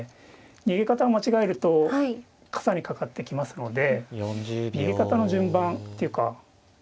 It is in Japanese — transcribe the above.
逃げ方を間違えるとかさにかかってきますので逃げ方の順番って言うかなるほど。